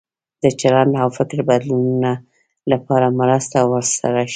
د چلند او فکر بدلولو لپاره مرسته ورسره وشي.